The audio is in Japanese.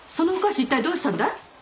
一体どうしたんだい？